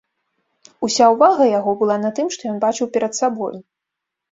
Уся ўвага яго была на тым, што ён бачыў перад сабою.